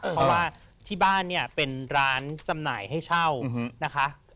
เพราะว่าที่บ้านเนี่ยเป็นร้านจำหน่ายให้เช่านะคะ